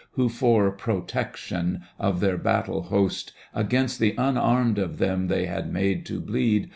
Who for " protection " of their battle host Against the unarmed of them they had made to bleed.